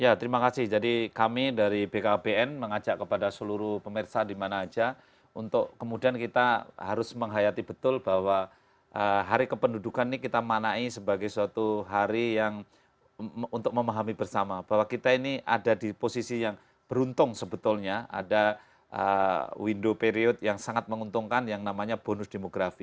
ya terima kasih jadi kami dari bkbn mengajak kepada seluruh pemirsa dimana aja untuk kemudian kita harus menghayati betul bahwa hari kependudukan ini kita manai sebagai suatu hari yang untuk memahami bersama bahwa kita ini ada di posisi yang beruntung sebetulnya ada window period yang sangat menguntungkan yang namanya bonus demografi